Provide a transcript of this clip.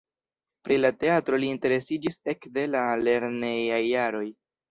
Pri la teatro li interesiĝis ekde la lernejaj jaroj.